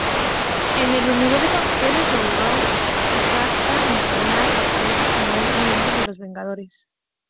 En el universo Heroes Reborn, Gata Infernal aparece como un miembro de los Vengadores.